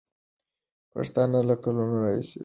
پښتانه له کلونو راهیسې جنګېږي.